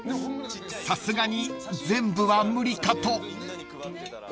［さすがに全部は無理かと］